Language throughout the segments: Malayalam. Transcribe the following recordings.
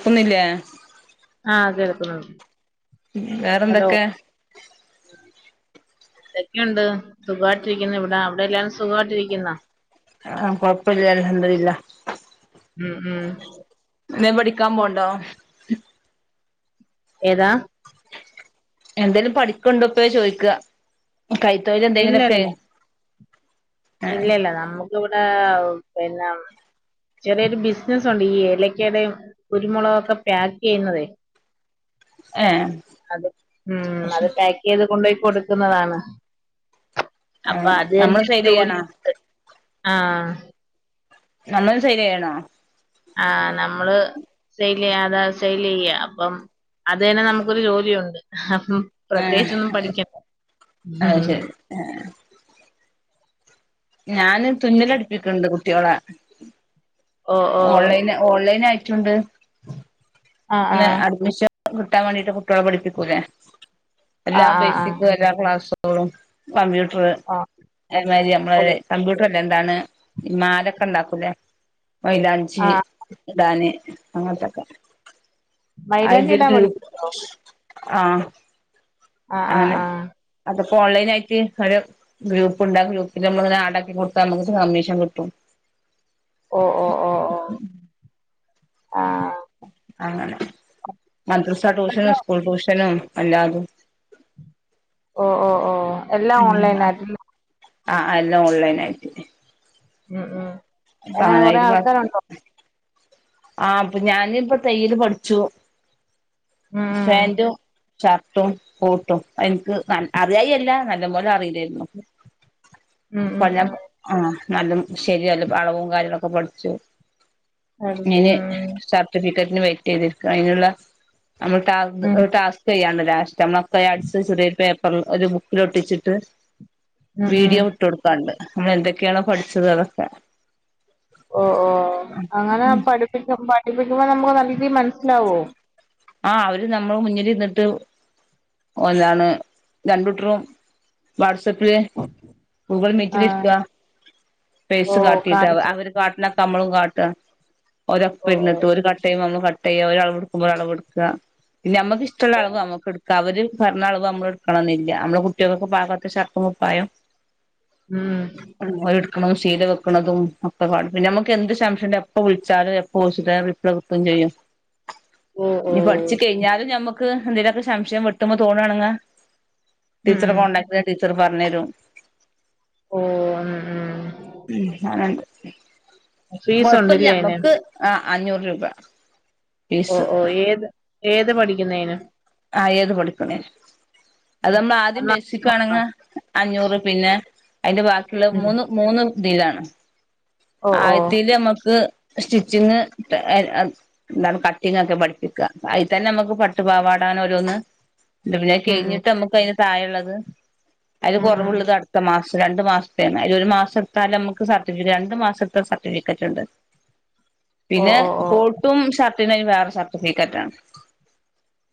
പ്പൊന്നില്ലേ ആഹ് കേൾക്കുന്നുണ്ട് ഉം വേറെന്തെക്കെ ആഹ് ന്തൊക്കേണ്ട് സുഖായിട്ടിരിക്കിന്ന് ഇവിടെ അവടെ എല്ലാം സുഖായിട്ടിരിക്കിന്നാ ആഹ് കൊഴപ്പംല്ല അൽഹംദുരില്ലാഹ് ഉം ഉം ന്തേം പഠിക്കാം പോണ്ടോ ഏതാഹ് എന്തേലും പഠിക്ക്ണ്ടോ പ്പയ് ചോയ്ക്കാ ഉം കൈ തൊഴില് എന്തെങ്കിലും ക്കേ ഇല്ല ല്ലാ നമ്മുക്ക് വ്ടേ പിന്നെ ചെറിയൊരു ബിസ്നസ്സൊണ്ട് ഈ ഏലക്കേടെയും കുരുമുളക് ഒക്കെ പായ്ക്ക് യ്യുന്നതേ അത് ഉം അത് അയ്ശരി പായ് യത് കൊണ്ടോയി കൊടുക്ക്ന്നതാണ് അപ്പാ അത് നമ്മള് ന്നെരു ജോലി സെയ്ലെയ്യാണോ ആഹ് നമ്മൾ സെയ്ലയ്യണോ ആഹ് നമ്മള് സൈല് യാതെ സൈല്യ്യാ അപ്പം അത് തന്നെ നമ്മക്കൊരു ജോലിയൊണ്ട് ഹപ്പം ഏഹ് പ്രത്യേകിച്ചൊന്നും പഠിക്കെണ്ട ഉം അത് ഹും ശരി ഞാന് തുന്നലടിപ്പിക്ക്ണ്ട് കുട്ടിയോളെ ഓ ഓ ഓൺലൈന് ഓൺലൈനായിട്ടുണ്ട് ആഹ് പിന്നെ ആഹ് അഡ്മിഷൻ കിട്ടാൻ വേണ്ടിട്ട് കുട്ടിളെ പഠിപ്പിക്കൂലേ എല്ലാ ആഹ് ആഹ് ബേസിക് എല്ലാ ക്ലാസ്സുകളും കമ്പ്യൂട്ടർ ആഹ് ഏമാരി ഓ ഓ നമ്മളെ കമ്പ്യൂട്ടർ ല്ലേ എന്താണ് മാലക്കെ ഇണ്ടാക്കൂലേ മൈലാഞ്ചീ ആഹ് ഇടാന് അങ്ങൻത്തെക്കെ മൈലാഞ്ചി അയിൻ്റെരു ഇടാൻ ഗ്രൂപ് പഠിപ്പിച്ചോ ആഹ് ആഹ് ആഹ് അങ്ങനെ ആഹ് അത്പ്പോ ഓൺലൈനായിറ്റ് ഒരു ഗ്രൂപ്പ്ണ്ടാ ആ ഗ്രൂപ്പില് നമ്മള്ത് ആടാക്കി കൊട്ത്താ നമുക്ക് കമ്മീഷൻ കിട്ടും ഓഹ് ഓഹ് ഓഹ് ഉം ഹും ആഹ് അങ്ങനെ മദ്രസ്സാ ടൂഷനും ഇതെല്ലാം സ്കൂൾ ടൂഷനും അല്ലാതും ഓഹ് ഓഹ് ഓഹ് ഉം ആഹ് ആഹ് എല്ലം ഓൺലൈനായിട്ട് ഉം ഉം എങ്ങനെ കൊറെ ആൾക്കാരു ണ്ടോ ആഹ് പ്പം ഞാന് ഇപ്പൊ തയ്യല് പഠിച്ചു ഉം ഫാൻ്റും ഷർട്ടും കോട്ടും അതിൽ ക്ക് അറിയായി അല്ല നല്ലം പോലെ അറീലേയിരുന്നു ഉം ഉം ഉം പ്പം ഞ്ഞാൻ ഉം ആഹ് നല്ലം ശരി നല്ല അളവും കാര്യങ്ങളൊക്കെ പഠിച്ചു പഠിച്ചു ഇനി ഉം സർട്ടിഫിക്കറ്റ്ന് വെയ്റ്റ് യ്തിരിക്കാ അയിന്ള്ള നമ്മൾ ടാസ്ക് ഉം ഒരു ടാസ് ചെയ്യാൻ ണ്ട് ലാസ്റ്റ് അമ്മള് അത്രേം അടിച്ച്ച്ച്ട്ട് പേപ്പർൽ ഒരു ബുക്കിലൊട്ടിച്ചിട്ട് ഉം ഉം വീഡിയോ വിട്ട്ട്ക്കാണ്ട് അമ്മളെ എന്തൊക്കെയണോ പഠിച്ചത് അതൊക്കെ ഓഹ് ഓഹ് അങ്ങനെ പഠിപ്പിച്ച പഠിപ്പിക്കുമ്പോ നമുക്ക് നല്ല രീതീ മനസ്സിലാവോ ആഹ് അവരും നമ്മളും മുന്നിലിരുന്ന്ട്ട് ഓലാണ് രണ്ടൂട്ടറും വാട്സപ്പില് ഗൂഗിൾ ആഹ് മീറ്റിലിരിക്കാ ഓ പേസ് കാട്ടിട്ട് അവ കാണിച്ച് അവര് കാട്ട്നൊക്കെ അമ്മളും കാട്ടാ ഓരെ ഓ പ്പം ഓ ര്ന്നിട്ട് ഒര് കട്ടെയുംമ്പം നമ്മളും കട്ട്യ്യാ ഓര് അളവ് ഇട്ക്കുംമ്പോ ഒരളവ് ഇട് ക്ക പിന്നെ നമ്മക്ക് ഇഷ്ടള്ള ഓ അളവ് നമ്മുക്ക് എടുക്കാം അവര്, പറഞ്ഞ അളവ് നമ്മള് എടുക്കണംന്നില്ല നമ്മെ കുട്ടികൾക്കെ പാകത്തെ ഷർട്ടും കുപ്പായം, ഉം എടുക്കണും ശീല വെക്കണതും ഒക്കെ കാട്ടി തരും പിന്നെ നമുക്ക് എന്ത് സംശയംഉണ്ട് എപ്പ വിളിച്ചാലും എപ്പോ, എടുക്കും ചെയ്യും, ഏഹ്, പഠിച്ച് കഴിഞ്ഞാലും നമുക്ക് എന്തെങ്കലൊക്കെ സംശയം വെട്ടുമ്പോ തോന്നാണങ്ക ഉം ടീച്ചറെ ഉം കോണ്ടാക്റ്റെ ടീച്ചർ പറഞ്ഞു തരും, ഓഹ് ആഹ ആഹ ഉ ആഹ ഫീസുണ്ട്ല്ലേ കൊഴപ്പെല്ല അയിന് നമ്ക്ക് ആഹ അഞ്ഞൂറ് രൂപ, ഫീസ് ഓഹ് ഓഹ് ഏത് ഏത് പഠിക്കുന്നതിനു, ആഹ് ഏത് പഠിക്കുന്നേനും, അത് നമ്മൾ ആദ്യം ഉം ബേസിക്കാണെങ്ക അഞ്ഞൂറ് പിന്നെ, അയ്ന്റെ ബാക്കിയുള്ള മൂന്ന് മൂന്ന് തിലാണ് ഓ ഓ ആദ്യത്തേതില് നമ്മുക്ക്, സ്റ്റിച്ചിങ് എന്താണ് കട്ടിങ് ഒക്കെ പഠിപ്പിക്ക അയ്ൽ തന്നെ നമുക്ക് പട്ടുപാവാട ണ് ഓരോന്ന് പിന്നെ അത് ഉം ഉം കഴിഞ്ഞിട്ട് നമുക്ക് അതിന് താഴെള്ളത് അതില് ഉം ഉം കുറവുള്ളതട് ഇ മാസം രണ്ടു മാസത്തേ ആണ് ഒരു മാസം എട്ത്താലും നമുക്ക് സർട്ടിഫറ്റ് രണ്ടു മാസത്തെ സർട്ടിഫിക്കറ്റ്ണ്ട്, ഓ പിന്നെ ഓ ഓ കോട്ടും ഷർറ്റിനെയ്ന് വേറെ സർട്ടിഫിക്കറ്റാണ്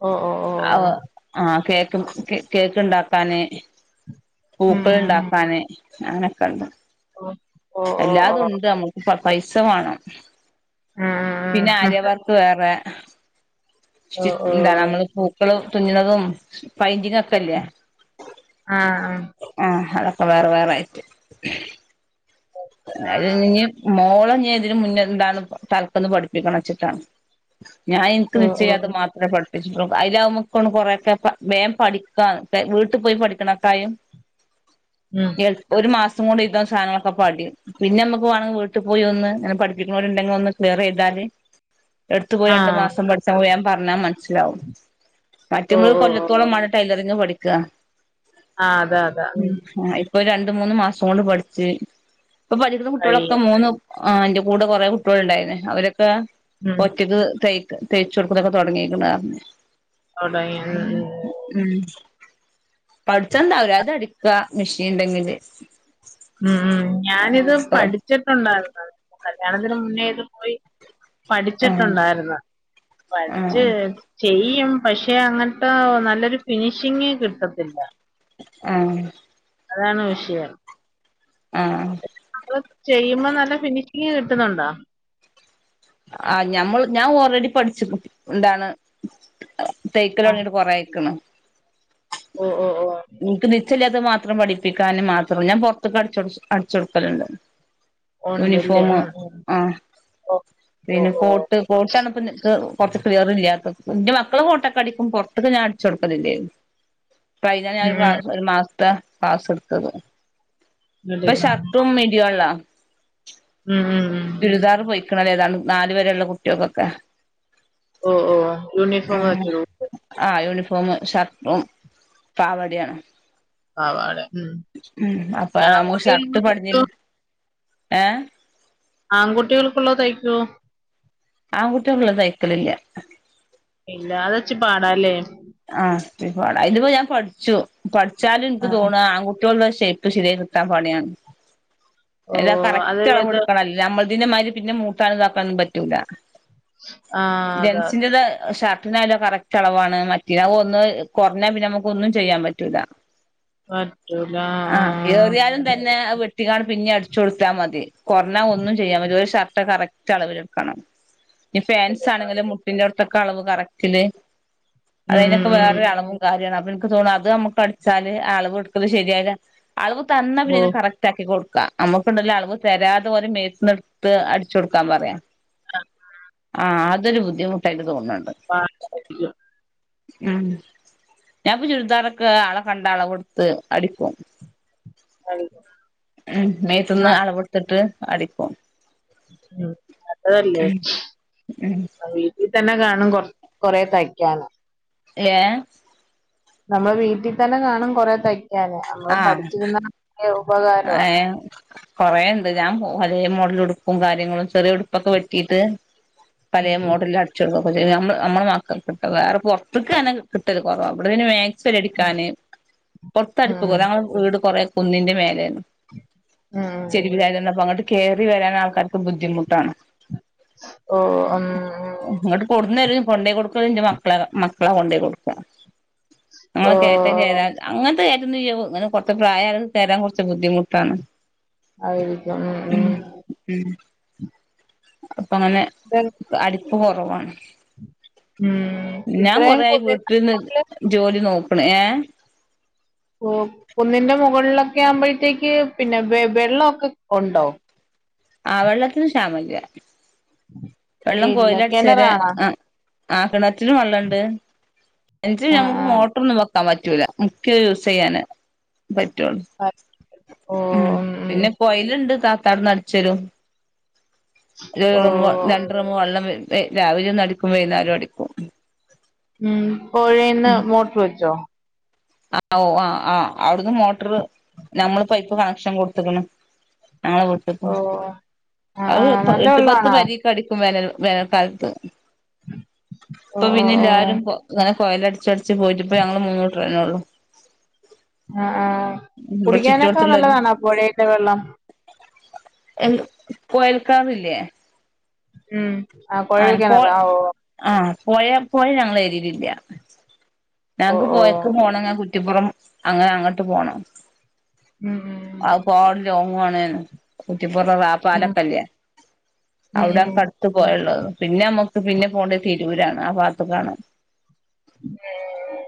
ഓഹ് ഓഹ് ഓഹ്, ആ് ഹകേക്ക് കേക്ക് ഉണ്ടാക്കാന്, ഉം പൂക്കൾ ഉം ഉണ്ടാക്കാനെ അങ്ങനൊക്കെണ്ട് ഉം ഓ ഓ ഓ എല്ലാതും ഓ ഉണ്ട് നമ്മക്ക്, പൈസ വേണം ഉം ഉം പിന്നെ ഉം ആര്യവർക്ക് വേറെ, ഓ ഓ എന്താണ് നമ്മള് പൂക്കളും തുന്നുന്നതും പയൻ്റിങ്ങൊക്കെ, ക്കല്ലേ ആ ആഹ് അതൊക്കെ വേറെ വേറായിട്ട്, ആ അഹ ഇഞ് മോളെ ഞൻ ഇതിന് മുന്നെ എന്താണ് തല്ക്കന്ന് പഠിപ്പിക്കണച്ചിട്ടാണ് ഞാൻ എനിക്ക് ഓ ഓ നിച്ചല്ലാത്തത് മാത്രേ പഠ വ അതിലമുക്ക കൊറെക്കെ വേം പഠിക്കാ വീട്ടിൽ പോയി പഠിക്കണക്കായും, ഉം ഒരു മാസം കൂടി ഇത സാധനങ്ങളൊക്കെ പടിയും, പിന്നെ നമുക്ക് വേണേവീട്ടിൽ പോയി ഒന്ന് അങ്ങനെ പഠപ്പിക്കുന്നവരുണ്ടെങ്കിൽ ഒന്ന് ക്ലിയറ യ്താല്, എടുത്തുപോയി രണ്ടു ആഹ് മാസം പഠിച്ചൻ പോയാ പറഞ്ഞാല് മനസ്സിലാവും, ഓ മറ്റുമത് ഓ ഓ ഓ കൊല്ലത്തോളമാണ് ടൈലറിങ് പഠിക്ക, ആ അതാ അതാ ഉം പ്പോ ഒരു രണ്ട് മൂന്ന് മാസം കൊണ്ട് പഠിച്ച്, ഇപ്പൊ പഠിക്കുന്ന കഴിയ കുട്ടികളൊക്കെ മൂന്ന് അന്റെ കൂടെ കുറെ കുട്ടികൾ ഉണ്ടായിരുന്നു അവരൊക്ക, ഒറ്റക്ക് ത തേച്ചൊടുക്കുന്നൊക്കെ തുടങ്ങിക്കണ പറഞ്ഞ്, അവിട, ഉം പഠിച്ചന്താവര് അത് അടിക്ക മെഷീൻണ്ടെങ്കില്, ഉംഉം ഞാനിത് പഠിച്ചിട്ടുണ്ടായിരുന്ന കല്യാണത്തിന് മുന്നേ ഇത് പോയി, ആഹ് പഠിച്ചിട്ടുണ്ടായിരുന്നു പഠച്ച്, ആഹ് ചെയ്യും പക്ഷെ അങ്ങനത്തെ നല്ലൊരു ഫിനിഷിങ് കിട്ടത്തില്ല, ആഹ്, അതാണ് വിഷയം, ആഹ്, നമ്മള് ചെയ്യുമ്പോ നല്ല ഫിനിഷിങ് കിട്ടുന്നുണ്ടോ? ആഹ് ഞമ്മൾ ഞാൻ ഓൾറെഡി പഠിച്ചു എന്താണ്, തേക്കൽ തൊടങ്ങീട്ട് കൊറേയ്ക്കണ്, ഓഹ് ഓഹ് ഓഹ്, നിക്ക് നിശ്ചല്ലാത്ത മാത്രം പഠിപ്പിക്കാനും മാത്രം ഞാൻ പൊറത്ത്ക്ക് അടി അടിച്ചൊടുക്കലുണ്ട്, ഉണ്ടല്ലേ യൂണിഫോം ഉം ഉം ആഹ് ഓ ഓ പിന്നെ ഓ കോട്ട്, ണപ്പക്ക് കുറച്ച് ക്ലിയർ ഇല്ലാന്റെ മക്കളെ കോട്ടൊക്കെടിക്ക്പ പുറത്തേക്ക് ഞാൻ അടിച്ച കൊടുക്കലുല്ലയിരുന്നു ഞ ഉം ഉം ഒരു മാസത്തെ ക്ലാസ് എടുത്തത് ഇപ്പൊ ഇങ്ങോട്ടേക്ക് ഷർട്ടും മിടിയുംള്ള ഉം ഉം ഉം ചിരുദാർ പോയിക്കണല്ലേ താണ് നാല് വരെയുള്ള കുട്ടികൾക്കൊക്കെ ഓ ഓ യൂണിഫോം അടിച്ചു ഇടുവോ ആ യൂണിഫോമ് ഷർട്ടും പാവടയാണ് പാവാട ഉം ഉ അപ്പൊ മൂന്ന്ഷർട്ട് ആൺകുട്ടികൾക്ക് തയ്ക്കോ പടിഞ്ഞില്ല ഏ ആൺകുട്ടികൾക്കുള്ളോ തയ്ക്കുവോ ആൺകുട്ടഉള്ളത് തയ്ക്കലില്ല ഇല്ല അത ഇച്ച് പാട ഇല്ലേ ആ ഇച്ചിരിപ്പാടാ ഇതിപ്പോ ഞാൻ പഠിച്ചു പഠിച്ചാലും ആ എനിക്ക് തോന്നു ആൺ എനിക്ക് തോന്നുന്നു ഷേപ്പ് ശരിയ കിട്ടാൻ പണിയാണ് ഓ എല്ലാം അത് കറക്റ്റ് അളവ് ഏത് എടുക്കണ നമ്മളതിന്റെ മാതിരി പിന്നെ മൂട്ടാനതാക്കാനന്നും പറ്റൂല ആഹ് ജെൻസിൻ്റേത് ഷർ എന്നാലോ കറക്റ്റ് അളവാണ് മറ്റ ഒന്ന് കുറഞ്ഞാ പിന്നെ നമുക്ക് ഒന്നും ചെയ്യാൻ പറ്റൂല പറ്റൂല ആഹ് എറിയാലും തന്നെ അത് വി ട്ടിക്കാണ്ട് പിന്നെ അടിച്ചു കൊടുത്താൽ മതി കൊറഞ്ഞ ഒന്നും ചെയ്യാൻ പറ്റൂല ഒരു ഷർട്ട് കറക്റ്റ് അളവിലെടുക്കണം ഫെൻസ് ആ ആണെങ്കിലും മുട്ടിന്റെ അടത്തൊക്കെ അളവ് കറക്കില് ഉം അതിനൊക്കെ വേറെ അളവും കാര്യമാണ് അപ്പൊ എനിക്ക് തോന്നും അത് നമുക്ക് അടിച്ചാല് അളവ് എടുക്കത് ശരിയല്ല അളവ് തന്ന ഓ പിന്നെ കറക്റ്റ് ക്കി കൊടുക്കാം നമുക്കുണ്ടല്ല അളവ് തരാതെ പോലെ മേത്ന്ന എടുത്ത് അടിച്ചു കൊടുക്കാൻ പറയാം ആഹ് അതൊരു ബുദ്ധിമുട്ടായിട്ട് തോന്നുന്നുണ്ട് മ ഉം ഞാൻപ്പൊ ചുരിദാറൊക്കെ ആളെ കണ്ട അളവ് എടുത്ത് അടിക്കും അതെ ഉം മേത്ത്ന്ന് അളവ്ഇട്ത്തിട്ട് അടിക്കും ഉം അതാെല്ലേ ഉം ഇതീത്തന്നെ കാണും കൊ കൊറെ തയ്ക്കാന് ഇയ്യേ നമ്മള് വീട്ടി തന്നെ കാണും കൊറെ തയ്ക്കാന് നമ്മള് പഠിച്ചിരുന്ന ഉപക അയവ് കൊറേണ്ട് ഞാൻ പോവലേ മോള്ടെ ഉടുപ്പും കാര്യങ്ങളും ചെറിയ ഉടുപ്പൊക്കെ വെട്ടിയിട്ട് പലേ ഉം ഉം മോഡലാക് ച്ചൊട്ക്കൊക്കെ ചെയ്യും നമ്മള് നമ്മടെ മക്ക കിട്ട വേറെ പൊറത്ത്ക്ക് അങ്ങനെ കിട്ടല് കൊറവാ ഇബടെ പിന്നെ മേക് സ്പെരി അടിക്കാന് ഉം പൊർത്തടുപ്പ് വേറെ ഞങ്ങളെ വീട് കൊറെ കുന്നിന്റെ മേലേന്ന് ഉം ഉം. ചെരിവിലായിതന്നെ അപ്പ അങ്ങട്ട് കേറി വരാൻ ആൾക്കാർക്ക് ബുദ്ധിമുട്ടാണ് ഓഹ് അങ് ഇങ്ങട്ട് കൊട്ന്നെര്ലും കൊണ്ടേ കൊട്ക്കലും ഇന്റെ മക്കളാണ് മക്കളാ കൊണ്ടേ കൊട്ക്കാ ഓ അങ്ങൻത്തെ കയറ്റം കേറാ അങ്ങൻത്തെ കയ്റ്റ്യെന്നുല്ല ഓ ഇങ്ങനെ കൊർച്ച് പ്രായയാ കേറാൻ കൊ ച്ച് ബുദ്ധിമുട്ടാണ് ആയിരിക്കും ഉം ഉം ഉം അപ്പ അങ്ങനെ ശരി അടിപ്പ് കൊർവാണ് ഉം ഇത്രേം കുന്നി ട്ട്ന്ന് ജോലി നോക്ക്ണ് ഏഹ് കു കുന്നിന്റെ മൊകൾലൊക്കെ ആകുമ്പോഴത്തേക്ക് പിന്നെ വെ വെള്ളവൊക്കെ ഒണ്ടോ ആഹ് വെള്ളത്തിന് ക്ഷാമം ഇല്ല വെള്ളം ഇല്ല കൊയില് അടിച്ചേരെ കിണറാണോ ആഹ് ആഹ് കിണറ്റിലും വെള്ളണ്ട് കെണറ്റില് ആഹ് ഞമ്മുക്ക് ആഹ് മോട്ടറൊന്നും വെ- ക്കാൻ പറ്റൂല മുക്കി യൂസെയ്യാന് പറ്റാെള്ളൂ ഉം പിന്നെ കൊയല്ണ്ട് താത്താവ്ട്ന്ന് അടിച്ചരും ഉം ഒരു ഓ ഡ്രമ്മ് വ രണ്ട് ഡ്രമ്മ് വെള്ളം വെ രാവിലെ ഒന്ന് അടിക്കും വൈകുന്നേരോം അടിക്കും ഉം പൊഴേന്ന് മോട്ടറ് വെച്ചോ ആഹ് ഓഹ് ആഹ് ആഹ് അവ്ടുന്ന് മോട്ടറ് നമ്മള് പൈപ്പ് കണക്ഷൻ കൊടുത്ത്ക്ക്ണ് ഞങ്ങളെ വീട്ട്ക്കും ഓ ആഹ് ആഹ് അഅ് നല്ല എട്ട് പത്ത് വെള്ളാണോ പെരീ ക്കടിക്കും വേനൽ വേനൽക്കാലത്ത് ഓ ഇപ്പൊ ഓ പിന്നെ ഓ എല്ലാരും പൊ ഇങ്ങനെ കൊയല് അടിച്ച് അടിച്ച് പോയിട്ട്പ്പ ഞങ്ങള് മൂന്നൂ കൂട്ടരന്നെ ഒള്ളൂ ആഹ് ആഹ് കുടിക്കാനൊക്കെ നല്ലതാണോ പൊഴേത്തെ വെള്ളം എന്ത് കൊയൽക്കെണറില്ലേ ഉം ആഹ് കൊഴൽക്കിണറ് ആഹ് ഓഹ് ആഹ് പൊഴ പൊഴ ഞങ്ങടെ ഏരീലില്ല ഓ ഞങ്ങക്ക് ഓ പൊഴക്ക് പോണെങ്ക കുറ്റിപ്പുറം അങ്ങനെ അങ്ങട്ട് പോണം ഉം ഉം അഅ് പാട്ലോങ്ങും ആണേനും കുറ്റിപ്പുറം റാപ് ഉം പാലക്കല്ലെ ഉം ഉം അവ്ടെൺ ഉം. കട്ട് ത്ത് പൊഴള്ളത് പിന്നെ നമ്മുക്ക് പിന്നെ പോണ്ടെത തിരൂരാണ് ആ ഭാഗത്ത്ക്കാണ് ഏഹ്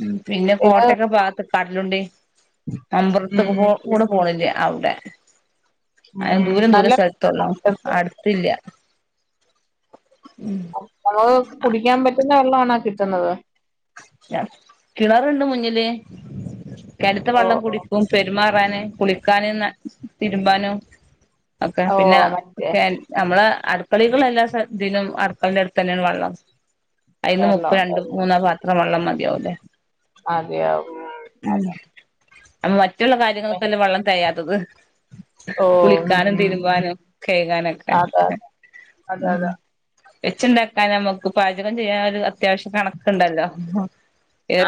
ഉം, പിന്നെ കോട്ടക്ക ഭാഗത്ത് കടലുണ്ടി. ഉം മമ്പൊർത്തൊക്കെ പോ ഉം കൂടെ പോണില്ലേ അവ്ടെ. ഉം അയ് ഉം ദൂരം നല്ല ദൂരം സൽത്തൊള്ളാണ്. കിട്ടുന്നത് അട് ത്തില്ല്യ. ഉം ഓഹ് കുടിക്കാൻ പറ്റുന്ന വെള്ളാണാ കിട്ടുന്നത്. ക്യ. കിണറുണ്ട് മുന്നില് കെണത്തെ ഓ വെള്ളം കുടിക്കും. പെരുമാറാന്, കുളിക്കാന് ന തിരുമ്പാനും ഒക്കെ ഓ പിന്നെ ഓ മറ്റേ കെൽ ഞമ്മളെ അടുക്കളേക്ക്ള്ളെ എല്ലാ സാ തിനും അടുക്കൾന്റെടുത്തന്നെണ് വള്ളം. അയ്ന്ന് മുക്കും വെള്ളമുണ്ട് രണ്ടും മൂന്നോ പാത്രം വെള്ളം മതിയാവൂല്ലേ. മതിയാവും. ഉം, അപ്പം മറ്റുള്ള കാര്യങ്ങൾക്കല്ലേ വെള്ളം തെയാത്തത്. ഓ ഉം കുളിക്കാനും ഉം തിരുമ്പാനും കഴുകാനൊക്കെ. അതെ അതെ ഉം അതെ വെച്ചുണ്ടാക്കാൻ നമുക്ക് പാചകം ചെയ്യാൻ ഒരു അത്യാവശ്യം കണക്ക്ണ്ടല്ലോ.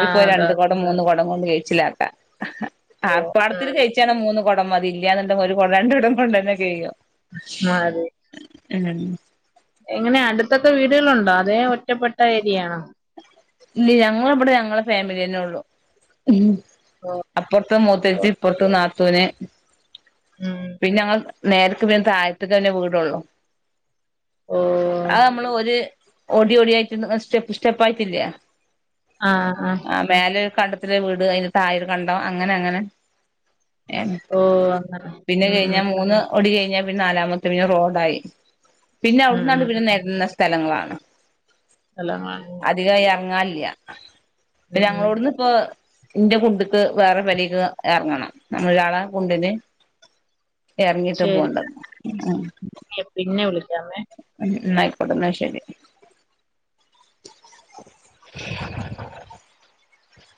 ആ അതെ രണ്ട് കൊടം മൂന്ന് കൊടം കൊണ്ട് കയ്ച്ചിലാക്കാ. ഓ ആർപാടത്തില് ഉം കയിച്ചാണ് മൂന്ന് കൊടം മതി. ഇല്ല്യാന്ന്ണ്ടെങ്ങ് ഒരു കൊടം രണ്ടു കൊടം കൊണ്ടെന്നെ കഴിയും. മതി. ഉം എങ്ങനെയാ അട്ത്തൊക്കെ വീടുകളുണ്ടോ? അതേ ഒറ്റപ്പെട്ട ഏരിയാണോ? ഇല്ല ഞങ്ങളബടെ ഞങ്ങളെ ഫാമിലി തന്നെ ഉള്ളൂ. ഉം ഓഹ് അപ്പൊർത്ത് മൂത്തെച്ചി, ഇപ്പൊർത്ത് നാത്തൂന് ഉം പിന്നെ ഞങ്ങൾ നേര്ക്ക് പിന്നെ താഴത്ത് ക്കെന്നെ വീടൊള്ളൂ. ഓഹ് അഹ് അമ്മളൊര് ഒടി ഒടിയായിട്ട് സ്റ്റെപ്പ് സ്റ്റെപ്പായിട്ടില്ല്യേ ആഹ്, ആഹ് ആഹ് മേലെ ഒരു കണ്ടത്തില് വീട്. അയ്ന്റെ താഴെ ഒരു കണ്ടം അങ്ങനെ അങ്ങനെ. ഓഹ് അങ്ങനെ. പിന്നെ ഉം കഴിഞ്ഞാ ഉം മൂന്ന് ഒടി കഴിഞ്ഞാ പിന്നെ നാലാമത്തെ പിന്നെ റോഡായി. പിന്നെ ഉം അവ്ട്ന്നാണ്ട് ഉം പിന്നെ നെര്ന്ന സ്ഥലങ്ങളാണ്. നല്ലോ അധികായി എർങ്ങാല്ല്യ. ഇപ്പ ഉം ഉം ഞങ്ങളോട്ന്ന് പ്പൊ ന്റെ കുണ്ട്ക്ക് വേറെ പെരേക്ക് എർങ്ങണം. നമ്മള് ഒരാളെ കുണ്ട്ന് എർങ്ങിയിട്ട് പോണ്ടത്. ഏഹ് ഏഹ് പിന്നെ വിളിക്കാമെ ഉം നായിക്കൊട്ടെ ന്നാ ശരി